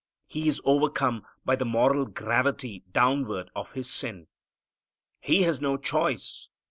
He is overcome by the moral gravity downward of His sin. He has no choice.